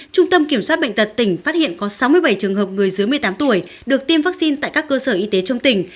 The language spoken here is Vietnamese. trung tâm kiểm soát bệnh tật tỉnh phát hiện có sáu mươi bảy trường hợp người dưới một mươi tám tuổi được tiêm vaccine tại các cơ sở y tế trong tỉnh